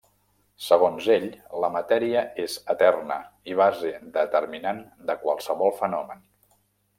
Segons ell, la matèria és eterna i base determinant de qualsevol fenomen.